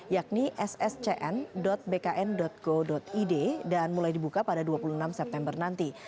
yakni sscn bkn go id dan mulai dibuka pada dua puluh enam september nanti